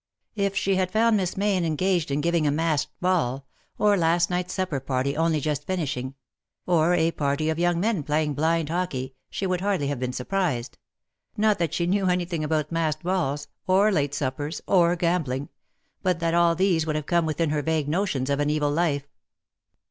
If she had found Miss Mayne engaged in giving a masked ball — or last night's supper party only just 277 finisliing — or a party of young men playing blind hookey, she would hardly have heen surprised — not that she knew anything about masked balls — or late suppers — or gambling — but that all these would have come within her vague notions of an evil life.